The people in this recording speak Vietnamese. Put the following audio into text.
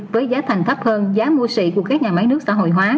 với giá thành thấp hơn giá mua sị của các nhà máy nước xã hội hóa